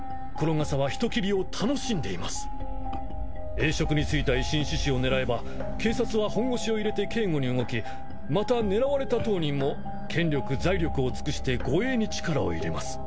栄職に就いた維新志士を狙えば警察は本腰を入れて警護に動きまた狙われた当人も権力財力を尽くして護衛に力を入れます。